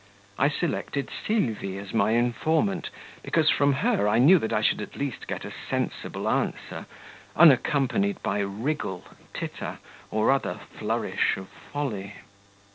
I selected Sylvie as my informant, because from her I knew that I should at least get a sensible answer, unaccompanied by wriggle, titter, or other flourish of folly.